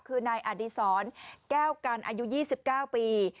คือนายอดีศรแก้วกันอายุ๒๙ปี